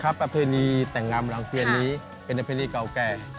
ประเพณีแต่งงามหลังเพียนนี้เป็นประเพณีเก่าแก่